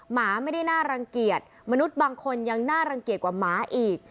หมาไม่ได้น่ารังเกียจมนุษย์บางคนยังน่ารังเกียจกว่าหมาอีก